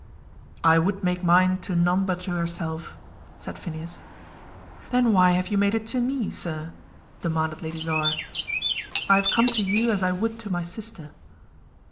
"I would make mine to none but to herself," said Phineas. "Then why have you made it to me, sir?" demanded Lady Laura. "I have come to you as I would to my sister."